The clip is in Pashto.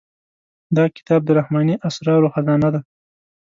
دا کتاب د رحماني اسرارو خزانه ده.